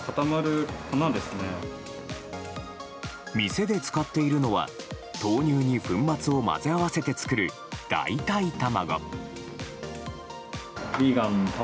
店で使っているのは豆乳に粉末を混ぜ合わせて作る代替卵。